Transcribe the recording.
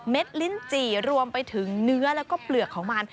ลิ้นจี่รวมไปถึงเนื้อแล้วก็เปลือกของมัน